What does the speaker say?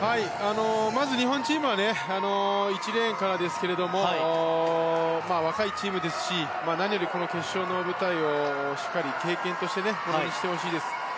まず日本チームは１レーンからですけども若いチームですし何より、この決勝の舞台をしっかり経験としてほしいです。